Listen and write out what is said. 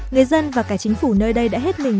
người dân và cả chính phủ nơi đây đã hết mình